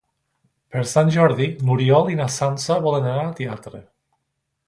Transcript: Per Sant Jordi n'Oriol i na Sança volen anar al teatre.